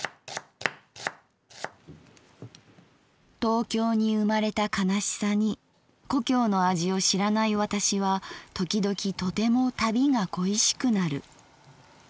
「東京に生まれた悲しさに故郷の味を知らない私はときどきとても旅が恋しくなる。